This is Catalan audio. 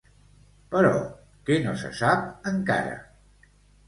Però, què no se sap encara?